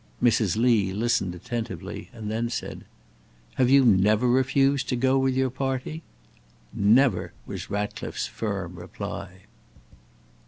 Mrs. Lee listened attentively, and then said: "Have you never refused to go with your party?" "Never!" was Ratcliffe's firm reply.